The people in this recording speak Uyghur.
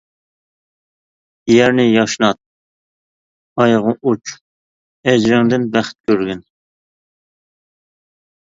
يەرنى ياشنات، ئايغا ئۇچ، ئەجرىڭدىن بەخت كۆرگىن.